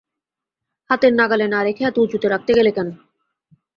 হাতের নাগালে না রেখে এত উঁচুতে রাখতে গেল কেন!